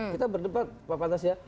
kita berdebat pak pantas ya